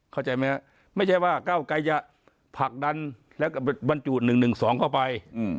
เข้าใจไหมครับไม่ใช่ว่าก้าวไกรจะผลักดันแล้วก็บรรจุ๑๑๒เข้าไป